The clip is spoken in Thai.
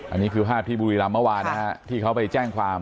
อันนี้คือภาพที่บุรีรำเมื่อวานนะฮะที่เขาไปแจ้งความ